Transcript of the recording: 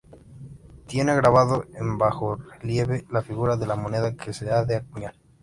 Tiene grabado en bajorrelieve la figura de la moneda que se ha de acuñar.